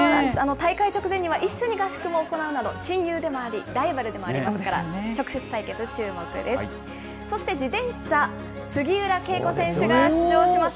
大会直前には、一緒に合宿も行うなど、親友でもあり、ライバルでもありますから、直接対決注目です。